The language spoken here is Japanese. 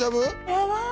「やばい！」